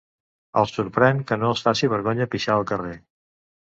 El sorprèn que no els faci vergonya pixar al carrer.